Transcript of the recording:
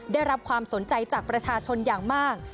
ได้รับความสนใจจากประชาชนอย่างมาก